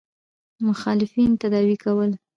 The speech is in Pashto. مخالفین تداوي کول.